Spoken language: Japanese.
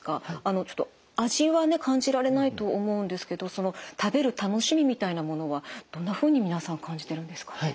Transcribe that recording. ちょっと味は感じられないと思うんですけど食べる楽しみみたいなものはどんなふうに皆さん感じてるんですか？